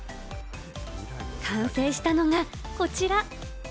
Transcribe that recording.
完成したのがこちら。